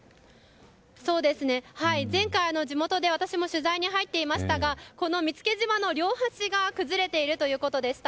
前回、地元で私も取材に入っていましたがこの見附島の両端が崩れているということでした。